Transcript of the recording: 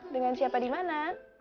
dengan siapa dimana